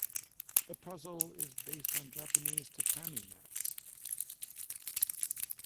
The puzzle is based on Japanese tatami mats.